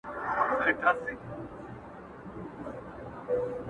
هم د زور او هم د زرو څښتنان وه.!